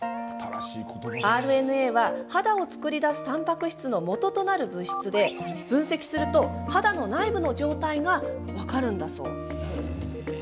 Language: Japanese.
ＲＮＡは、肌を作り出すたんぱく質の元となる物質で分析すると肌の内部の状態が分かるんだそう。